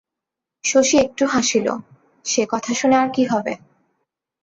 শশী একটু হাসিল, সে কথা শুনে আর কী হবে?